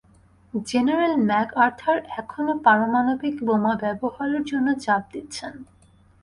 General MacArthur এখনও পারমাণবিক বোমা ব্যবহারের জন্য চাপ দিচ্ছেন।